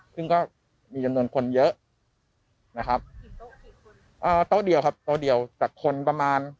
ซึ่งก็มีจำนวนคนเยอะนะครับโต๊ะเดียวครับโต๊ะเดียวแต่คนประมาณ